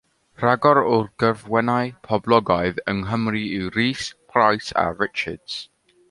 Rhagor o gyfenwau poblogaidd yng Nghymru yw Rees, Price a Richards.